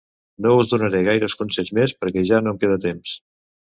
No us donaré gaires consells més perquè ja no em queda temps